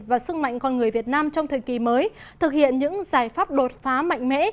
và sức mạnh con người việt nam trong thời kỳ mới thực hiện những giải pháp đột phá mạnh mẽ